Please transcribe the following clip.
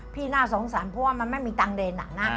พี่น่าสงสารเพราะว่ามันไม่มีตังค์เรียนหนังนะ